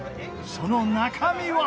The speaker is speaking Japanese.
その中身は？